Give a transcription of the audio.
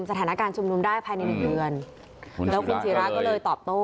สถานการณ์ชุมนุมได้ภายในหนึ่งเดือนแล้วคุณศิราก็เลยตอบโต้